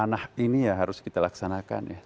dan panah ini ya harus kita laksanakan ya